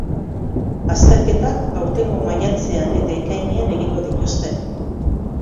Azterketak aurtengo maiatzean eta ekainean egingo dituzte.